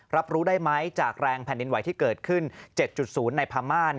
รับรู้ได้ไหมจากแรงแผ่นดินไหวที่เกิดขึ้น๗๐ในพม่า